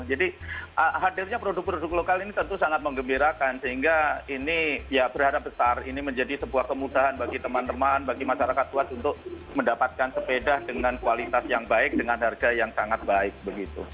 jadi hadirnya produk produk lokal ini tentu sangat mengembirakan sehingga ini ya berharap besar ini menjadi sebuah kemudahan bagi teman teman bagi masyarakat luas untuk mendapatkan sepeda dengan kualitas yang baik dengan harga yang sangat baik begitu